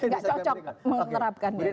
nggak cocok menerapkan